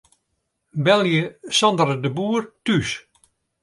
Belje Sandra de Boer thús.